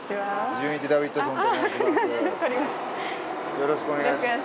よろしくお願いします。